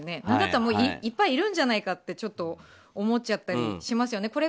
なんだったらもういっぱいいるんじゃないかとちょっと思っちゃったりしますよね。